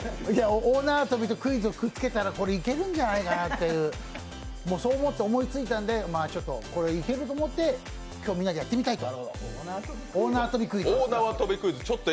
大縄跳びとクイズをくっつけたらいけるんじゃないかなと、思いついたんで、これいけると思って、今日みんなでやってみたいと。